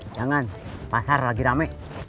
jangan pasar lagi rame